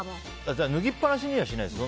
脱ぎっぱなしにはしないです。